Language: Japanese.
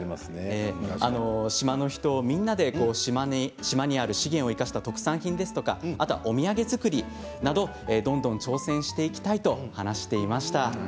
島の人みんなで島にある資源を生かした特産品ですとかお土産作りなどどんどん挑戦していきたいと話をしていました。